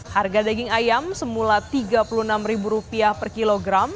harga daging ayam semula rp tiga puluh enam per kilogram